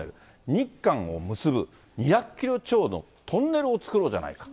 日韓を結ぶ、２００キロ超のトンネルを作ろうじゃないか。